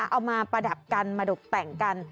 ประดับกันมาดกแต่งกัน